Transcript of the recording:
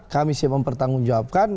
kami siap mempertanggungjawabkan